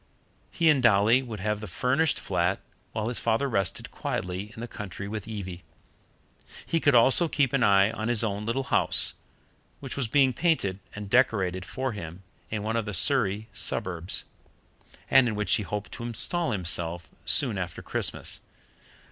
He and Dolly would have the furnished flat while his father rested quietly in the country with Evie. He could also keep an eye on his own little house, which was being painted and decorated for him in one of the Surrey suburbs, and in which he hoped to install himself soon after Christmas.